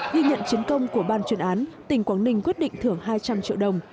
ghi nhận chiến công của ban chuyên án tỉnh quảng ninh quyết định thưởng hai trăm linh triệu đồng